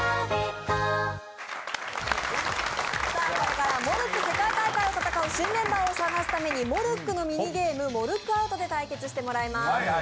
これからモルック世界大会を戦う新メンバーを探すためにモルックのミニゲーム、モルックアウトで対決してもらいます。